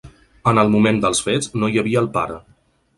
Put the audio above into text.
En el moment dels fets no hi havia el pare.